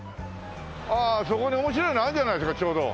ああそこに面白いのあるじゃないですかちょうど！